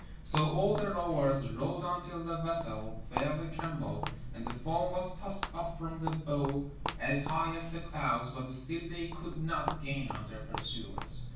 So all the rowers rowed until the vessel fairly trembled, and the foam was tossed up from the bow as high as the clouds, but still they could not gain on their pursuers.